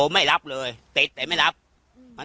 ไม่มีเสียความรู้สึกกัน